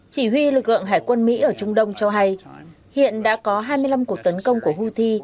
chỉ huy lực lượng hải quân mỹ ở trung đông cho hay hiện đã có hai mươi năm cuộc tấn công của houthi